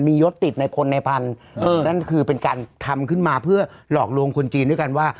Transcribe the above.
มียศติดในคนในพันธุ์นั่นคือเป็นการทำขึ้นมาเพื่อหลอกลวงคนจีนด้วยกันว่า